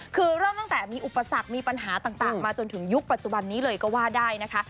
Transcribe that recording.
คือเริ่มตั้งแต่มีอุปสรรคมีปัญหาต่างมาจนถึงยุคปัจจุบันนี้เลยก็ว่าได้นะคะ